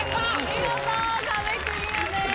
見事壁クリアです。